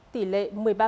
tỷ lệ một mươi ba